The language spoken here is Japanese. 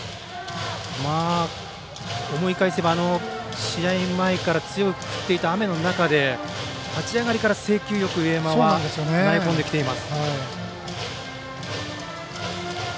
思い返せば試合前から強く降っていた雨の中で立ち上がりから制球よく上山は投げ込んできています。